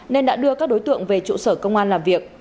nên đã đưa các đối tượng về trụ sở công an làm việc